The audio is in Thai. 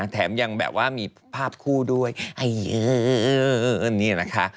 แถมยังแบบว่ามีภาพคู่ด้วยไอเยินนี่นะคะ